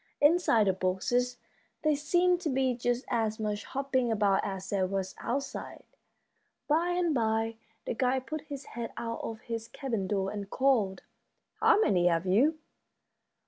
Inside the boxes there seemed to be just as much hopping about as there was outside. By and by the guide put his head out of his cabin door and called, "How many have you?"